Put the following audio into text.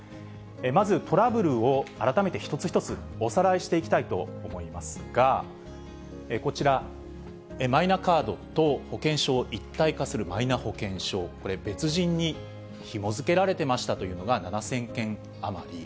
まず、トラブルを改めて一つ一つおさらいしていきたいと思いますが、こちら、マイナカードと保険証を一体化するマイナ保険証、これ、別人にひも付けられてましたというのが７０００件余り。